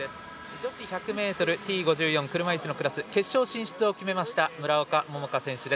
女子１００ｍＴ５４のクラス決勝進出を決めました村岡桃佳選手です。